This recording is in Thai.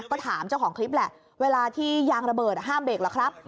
ก็ถามเจ้าของคลิปแหละเวลาที่ยางระเบิดห้ามเบรกหรอกครับ